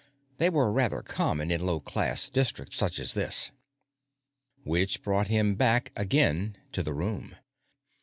They were rather common in low class districts such as this. Which brought him back again to the room.